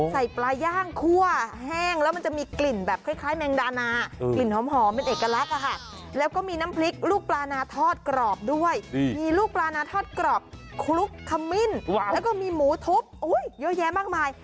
ปลาย่างคั่วแห้งแล้วมันจะมีกลิ่นแบบคล้ายแมงดานากลิ่นหอมเป็นเอกลักษณ์แล้วก็มีน้ำพริกลูกปลานาทอดกรอบด้วยมีลูกปลานาทอดกรอบคลุกขมิ้นแล้วก็มีหมูทุบเยอะแยะมากมาย